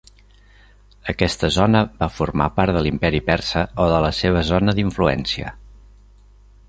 Aquesta zona va formar part de l'imperi persa o de la seva zona d'influència.